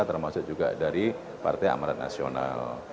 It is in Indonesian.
termasuk juga dari partai amarat nasional